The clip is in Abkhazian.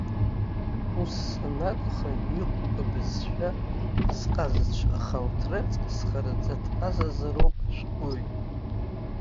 Ус анакәха, иҟоуп абызшәа азҟазацәа, аха урҭ раҵкыс хараӡа дҟазазароуп ашәҟәыҩҩы.